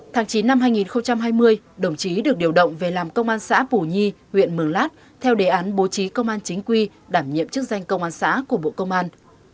tháng chín năm hai nghìn hai mươi đồng chí được điều động về làm công an xã bù nhi huyện mường lát theo đề án bố trí công an chính quy đảm nhiệm chức danh công an xã của bộ công an